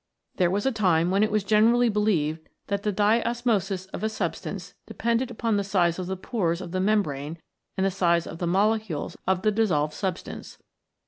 There was a time when it was generally believed that the diosmosis of a substance depended upon the size of the pores of the membrane and the size of the molecules of the dissolved substance.